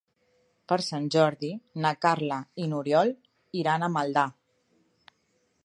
Per Sant Jordi na Carla i n'Oriol iran a Maldà.